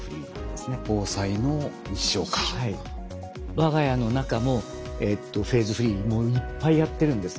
我が家の中もフェーズフリーいっぱいやってるんです。